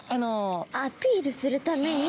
アピールするために。